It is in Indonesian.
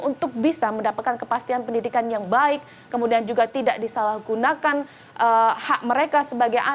untuk bisa mendapatkan kepastian pendidikan yang baik kemudian juga tidak disalahgunakan hak mereka sebagai anak